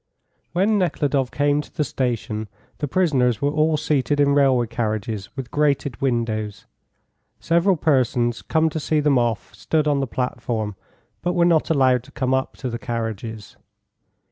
When Nekhludoff came to the station, the prisoners were all seated in railway carriages with grated windows. Several persons, come to see them off, stood on the platform, but were not allowed to come up to the carriages.